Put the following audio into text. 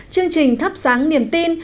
chương trình thắp sáng niềm tin